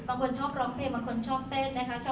บางคนชอบร้องเพลงบางคนชอบเต้นนะคะ